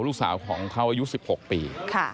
ลูกสาวของเขาอายุ๑๖ปี